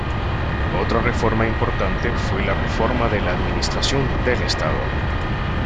Otra reforma importante fue la reforma de la administración del Estado.